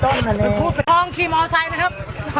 ชื่อทองขี่มอลไซด์นะครับ